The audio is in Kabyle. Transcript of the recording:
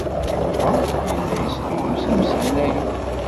Yuba yella yestullus imeshanayen.